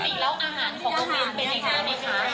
ปกติแล้วอาหารของโรงเรียนเป็นไหมคะ